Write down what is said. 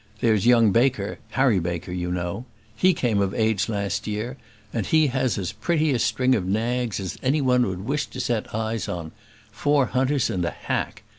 There's young Baker Harry Baker, you know he came of age last year, and he has as pretty a string of nags as any one would wish to set eyes on; four hunters and a hack.